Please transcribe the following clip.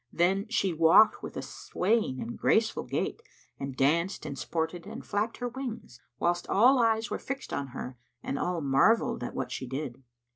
Then she walked with a swaying and graceful gait and danced and sported and flapped her wings, whilst all eyes were fixed on her and all marvelled at what she did.